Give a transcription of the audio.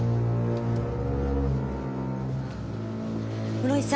室井さん